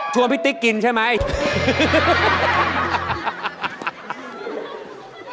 พี่ติ๊กกินใช่ไหม